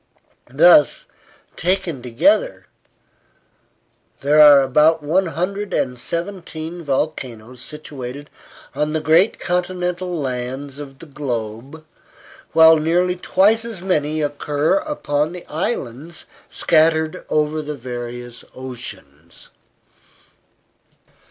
Thus, taken altogether, there are about one hundred and seventeen volcanoes situated on the great continental lands of the globe, while nearly twice as many occur upon the islands scattered over the various oceans.